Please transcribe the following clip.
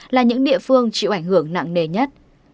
là những địa phương chịu ảnh hưởng nặng nề nhất